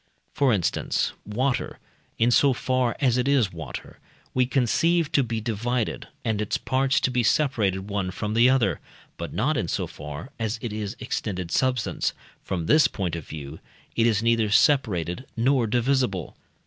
For instance, water, in so far as it is water, we conceive to be divided, and its parts to be separated one from the other; but not in so far as it is extended substance; from this point of view it is neither separated nor divisible.